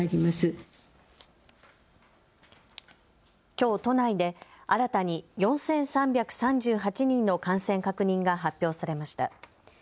きょう都内で新たに４３３８人の感染確認が発表されました。